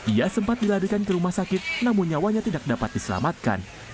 ia sempat dilarikan ke rumah sakit namun nyawanya tidak dapat diselamatkan